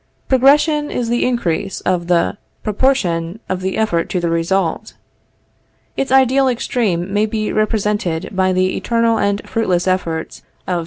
Progression is the increase of the proportion of the effort to the result. Its ideal extreme may be represented by the eternal and fruitless efforts of Sisyphus.